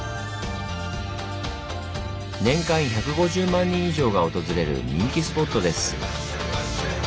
年間１５０万人以上が訪れる人気スポットです。